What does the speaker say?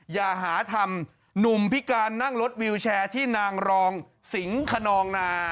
อย่าหาทำหนุ่มพิการนั่งรถวิวแชร์ที่นางรองสิงขนองนา